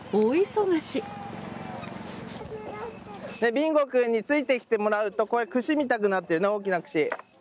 ビンゴくんについてきてもらうとこういう串みたくなってるね大きな串。